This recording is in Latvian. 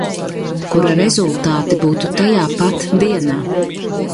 Kura rezultāti būtu tajā pat dienā.